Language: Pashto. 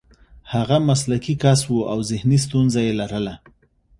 هغه مسلکي کس و او ذهني ستونزه یې لرله